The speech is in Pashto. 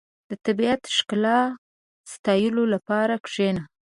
• د طبیعت د ښکلا ستایلو لپاره کښېنه.